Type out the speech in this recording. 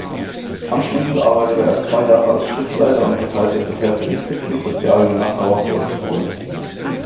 Anschließend arbeitete er zwei Jahre als Schriftleiter und Parteisekretär für den christlich-sozialen "Nassauer Volksfreund".